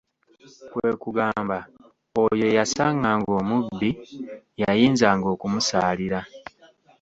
"Kwe kugamba oyo eyasanganga omubbi, yayinzanga okumusaalira."